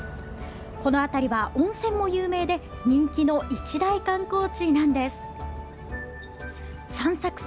この辺りは温泉も有名で人気の一大観光地なんです。